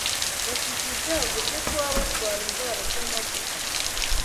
bafite ibyago byo kuba barwara indwara z’amagufa